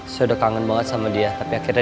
saya udah kangen banget sama dia tapi akhirnya